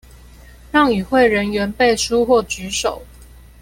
讓與會人員背書或舉手